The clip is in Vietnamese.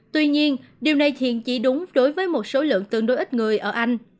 tuy nhiên điều này hiện chỉ đúng đối với một số lượng tương đối ít người ở anh